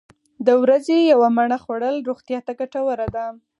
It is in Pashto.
د ورځې یوه مڼه خوړل روغتیا ته ګټوره ده.